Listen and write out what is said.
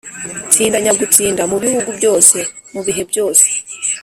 tsinda nyagutsinda mu bihugu byose, mu bihe byose